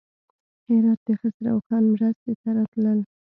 هراته د خسروخان مرستې ته راتلل.